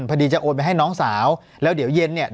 พอดีจะโอนไปให้น้องสาวแล้วเดี๋ยวเย็นเนี่ย